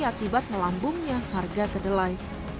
akibat melambungnya harga gedelai